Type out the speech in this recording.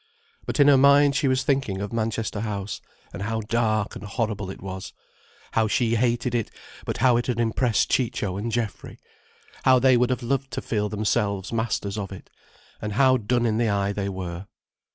But in her mind she was thinking of Manchester House, and how dark and horrible it was, how she hated it, but how it had impressed Ciccio and Geoffrey, how they would have loved to feel themselves masters of it, and how done in the eye they were.